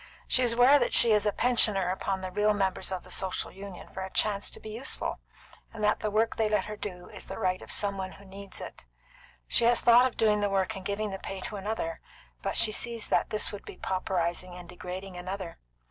She is aware that she is a pensioner upon the real members of the Social Union for a chance to be useful, and that the work they let her do is the right of some one who needs it. She has thought of doing the work and giving the pay to another; but she sees that this would be pauperising and degrading another.